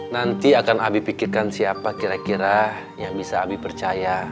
nanti akan abi pikirkan siapa kira kira yang bisa abi percaya